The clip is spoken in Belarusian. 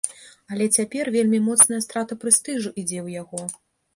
Але цяпер вельмі моцная страта прэстыжу ідзе ў яго!